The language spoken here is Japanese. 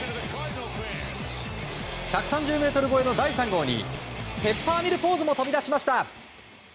１３０ｍ超えの第３号にペッパーミルポーズも飛び出しました。